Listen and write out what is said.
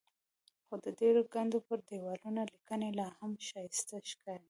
خو د ډبرې د ګنبد پر دیوالونو لیکنې لاهم ښایسته ښکاري.